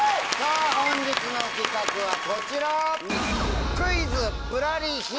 本日の企画はこちら！